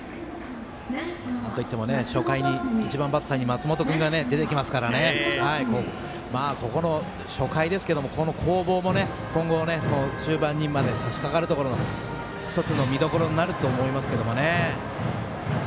初回に１番バッターに松本君が出てきますからここの初回ですけどもこの攻防も今後の中盤にまでさしかかるところの１つの見どころになると思いますけど。